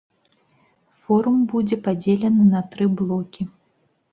Форум будзе падзелены на тры блокі.